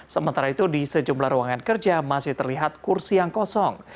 sementara itu di sejumlah ruangan kerja masih terlihat kursi yang kosong